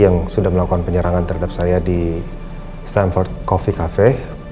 yang sudah melakukan penyerangan terhadap saya di stanford coffee cafe